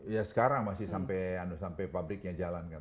ya sekarang masih sampai pabriknya jalan kan